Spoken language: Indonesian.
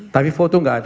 tapi foto gak ada